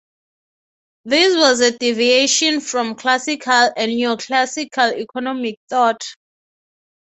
This was a deviation from classical and neoclassical economic thought.